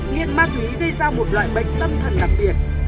nghiện ma túy gây ra một loại bệnh tâm thần đặc biệt